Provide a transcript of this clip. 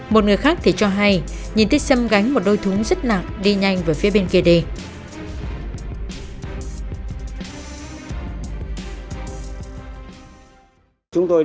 một người khác thì cho hay nhìn thấy sâm gánh một đôi thúng rất nặng đi nhanh về phía bên kia đi